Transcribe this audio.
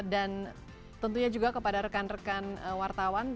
dan tentunya juga kepada rekan rekan wartawan